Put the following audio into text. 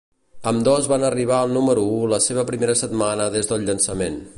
Ambdós van arribar al número u la seva primera setmana des del llançament.